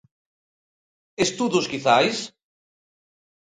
Estudos quizais?